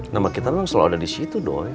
nama kita memang selalu ada di situ dong